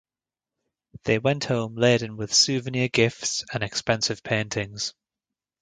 They went home laden with souvenir gifts and expensive paintings.